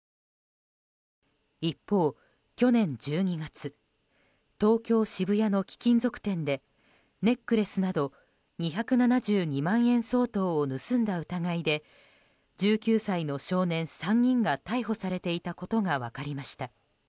一方、去年１２月東京・渋谷の貴金属店でネックレスなど２７２万円相当を盗んだ疑いで１９歳の少年３人が逮捕されていたことが分かりました。